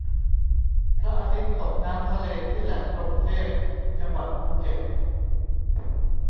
พระอาทิตย์ตกน้ำทะเลที่แหลมพรหมเทพ จังหวัดภูเก็ต